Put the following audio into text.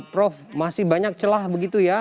prof masih banyak celah begitu ya